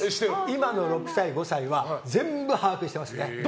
今の６歳、５歳は全部把握していますね。